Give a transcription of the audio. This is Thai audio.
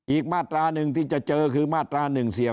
อีกมาตราหนึ่งที่จะเจอคือมาตรา๑๔๔